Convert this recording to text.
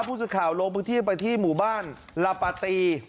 ผู้สื่อข่าวลงพื้นที่ไปที่หมู่บ้านลาปาตี